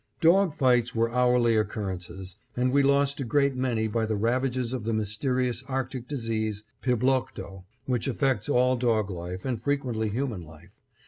Dog fights were hourly occurrences, and we lost a great many by the ravages of the mysterious Arctic disease, piblokto, which affects all dog life and frequently human life.